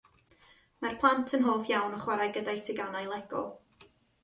Mae'r plant yn hoff iawn o chwarae gyda'u teganau Lego.